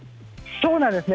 そうなんですね。